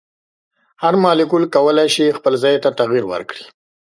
هر مالیکول کولی شي خپل ځای ته تغیر ورکړي.